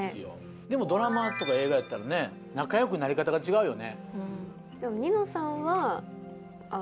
でもドラマとか映画やったらね仲良くなり方が違うよね。